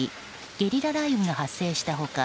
ゲリラ雷雨が発生した他